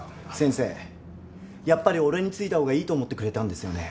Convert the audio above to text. やっぱり俺に付いた方がいいと思ってくれたんですよね？